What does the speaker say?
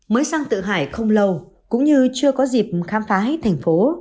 mới sang tự hải không lâu cũng như chưa có dịp khám phá hết thành phố